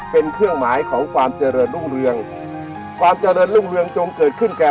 เป็นเครื่องหมายของความเจริญรุ่งเรืองความเจริญรุ่งเรืองจงเกิดขึ้นแก่